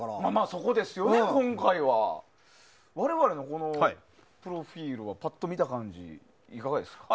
そこですよね、今回は。我々のプロフィールはパッと見た感じ、いかがですか？